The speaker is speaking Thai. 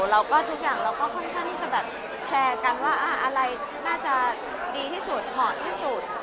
แล้วก็ทุกอย่างเราก็ค่อนข้างที่จะแบบแชร์กันว่าอะไรน่าจะดีที่สุดเหมาะที่สุด